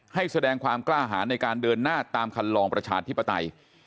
ให้แสดงความกล้าหารในการเดินหน้าตามคันลองประชาธิปไตย